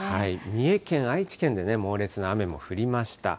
三重県、愛知県で猛烈な雨も降りました。